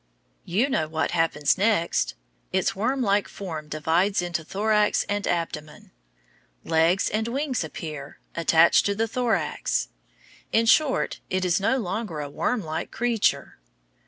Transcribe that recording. You know what happens next. Its wormlike form divides into thorax and abdomen. Legs and wings appear, attached to the thorax. In short, it is no longer a wormlike creature.